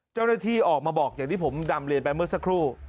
เจ้าหน้าที่ออกมาบอกอย่างที่ผมดำเรียนไปเมื่อสักครู่